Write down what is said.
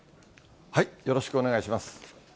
よろしくお願いします。